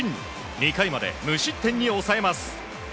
２回まで無失点に抑えます。